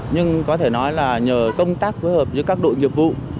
nhưng có thể nói là nhờ công tác phối hợp giữa các đội nghiệp vụ